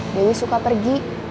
dewi suka pergi